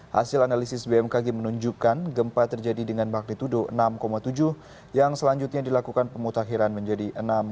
hasil analisis bmkg menunjukkan gempa terjadi dengan magnitudo enam tujuh yang selanjutnya dilakukan pemutakhiran menjadi enam satu